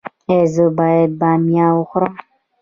ایا زه باید بامیه وخورم؟